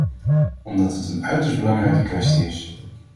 Omdat het een uiterst belangrijke kwestie is.